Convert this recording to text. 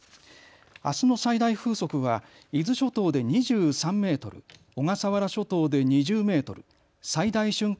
あすの最大風速は伊豆諸島で２３メートル、小笠原諸島で２０メートル、最大瞬間